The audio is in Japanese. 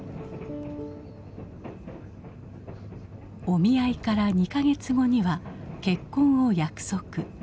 お見合いから２か月後には結婚を約束。